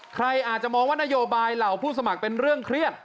ใครอาจจะมองว่านโยบายเหล่าผู้สมัครเป็นเรื่องเครียด